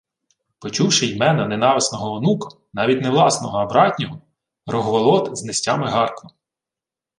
Почувши ймено ненависного онука, навіть не власного, а братнього, Рогволод знестями гаркнув: